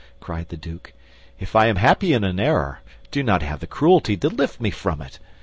cried the duke. "If I am happy in an error, do not have the cruelty to lift me from it.